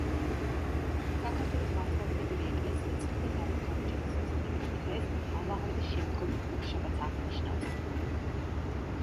საქართველოს მართლმადიდებელი ეკლესია წმინდა დავით გარეჯელის ხსენების დღეს ამაღლების შემდგომ ხუთშაბათს აღნიშნავს.